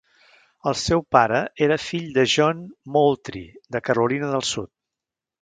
El seu pare era fill de John Moultrie de Carolina del Sud.